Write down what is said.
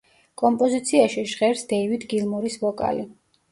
კომპოზიციაში ჟღერს დეივიდ გილმორის ვოკალი.